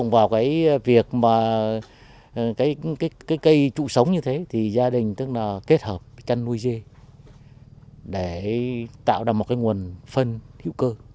ngoài việc cây trụ sống như thế thì gia đình kết hợp chăn nuôi dê để tạo ra một nguồn phân hữu cơ